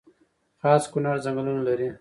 خاص کونړ ځنګلونه لري؟